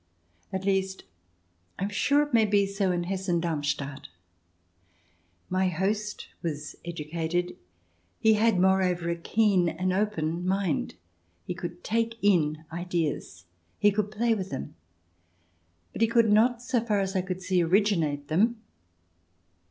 At least, I am sure it may be so in Hessen Darmstadt. My host was educated ; he had, moreover, a keen, an open, mind. He could take in ideas, he could play with them, but he could not, so far as I could see, originate them.